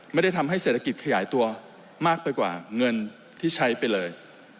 ไม่ได้ทำให้เศรษฐกิจขยายตัวมากไปกว่าเงินที่ใช้ไปเลย